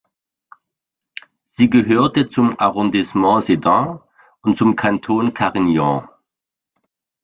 Sie gehörte zum Arrondissement Sedan und zum Kanton Carignan.